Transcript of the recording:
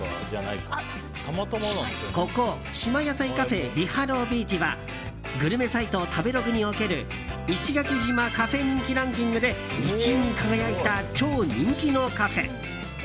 ここ、島野菜カフェリハロウビーチはグルメサイト、食べログにおける石垣島カフェ人気ランキングで１位に輝いた超人気のカフェ。